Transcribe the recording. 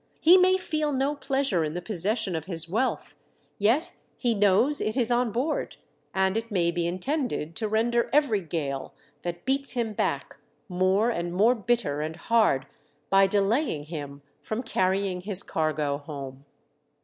He may feel no pleasure in the possession of his wealth ; yet he knows it is on board, and it may be intended to render every gale that beats him back more and more bitter and hard by delaying him from carrying his cargo home."